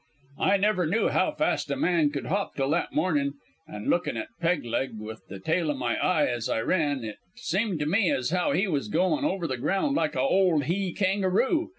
"I never knew how fast a man could hop till that mornin', an', lookin' at Peg leg with the tail o' my eye as I ran, it seemed to me as how he was a goin' over the ground like a ole he kangaroo.